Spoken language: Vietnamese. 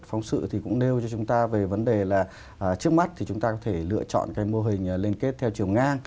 phóng sự thì cũng nêu cho chúng ta về vấn đề là trước mắt thì chúng ta có thể lựa chọn cái mô hình liên kết theo chiều ngang